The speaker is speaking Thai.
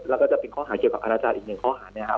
แล้วก็จะเป็นข้อหาเกี่ยวกับอาณาจารย์อีกหนึ่งข้อหาเนี่ยครับ